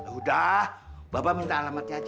udah bapak minta alamatnya aja